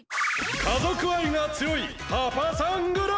家族愛が強いパパさんＧＰ！